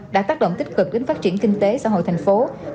đã tác động tích cực đến phát triển kinh tế xã hội thành phố